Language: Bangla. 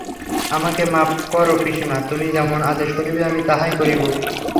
আমাকে মাপ করো পিসিমা, তুমি যেমন আদেশ করিবে আমি তাহাই করিব।